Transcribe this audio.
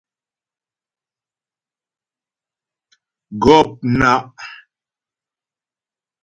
Gɔ̂pnaʼ.